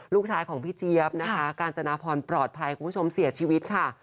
ลูกชายของพี่เจี๊ยบนะคะกาญจนาพรปลอดภัยคุณผู้ชมเสียชีวิตค่ะ